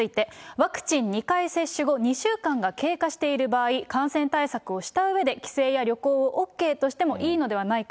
ワクチン２回接種後、２週間が経過している場合、感染対策をしたうえで帰省や旅行をＯＫとしてもいいのではないか。